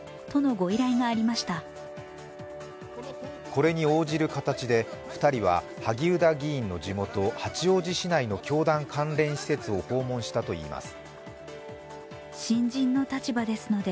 これに応じる形で２人は萩生田議員の地元八王子市内の教団関連施設を訪問したといいます。